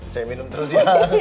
saya minum terus ya